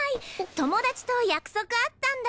友達と約束あったんだ。